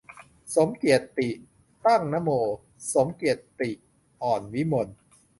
สมเกียรติ ตั้งนโม สมเกียรติ อ่อนวิมล